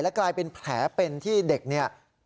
กลายเป็นแผลเป็นที่เด็กเนี่ย